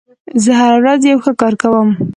زه هره ورځ یو ښه کار کوم.